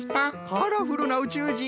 カラフルなうちゅうじん！